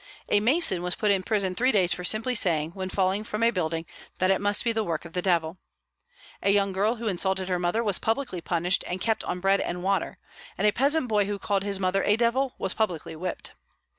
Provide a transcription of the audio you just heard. A mason was put in prison three days for simply saying, when falling from a building, that it must be the work of the Devil. A young girl who insulted her mother was publicly punished and kept on bread and water; and a peasant boy who called his mother a devil was publicly whipped.